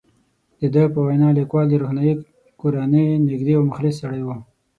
د ده په وینا، لیکوال د روښاني کورنۍ نږدې او مخلص سړی وو.